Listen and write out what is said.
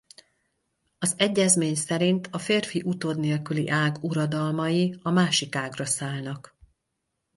Az egyezmény szerint a férfi utód nélküli ág uradalmai a másik ágra szállnak.